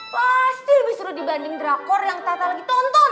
pasti lebih seru dibanding drakor yang tata lagi tonton